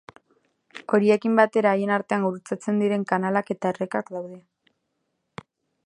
Horiekin batera haien artean gurutzatzen diren kanalak eta errekak daude.